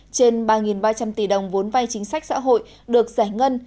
trên ba ba trăm linh tỷ đồng vốn vai chính sách xã hội được giải ngân